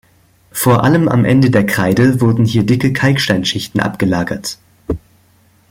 Vor allem am Ende der Kreide wurden hier dicke Kalksteinschichten abgelagert.